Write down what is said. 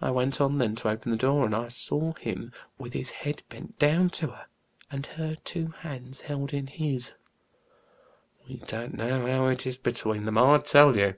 I went on then to open the door, and I saw him with his head bent down to her, and her two hands held in his. We don't know how it is between them, I tell you."